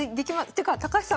ていうか高橋さん